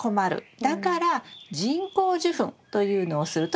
だから人工授粉というのをするといいんです。